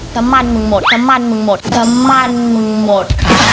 สมันมึงหมดสมันมึงหมดสมันมึงหมด